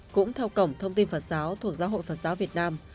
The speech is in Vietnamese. cũng theo cổng thông tin phật giáo thuộc giáo hội phật giáo việt nam